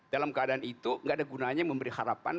dalam keadaan itu gak ada gunanya memberi harapan